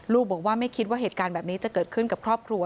บอกว่าไม่คิดว่าเหตุการณ์แบบนี้จะเกิดขึ้นกับครอบครัว